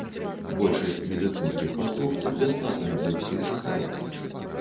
Большасць медыцынскіх паслуг тут бясплатная для ўсіх жыхароў.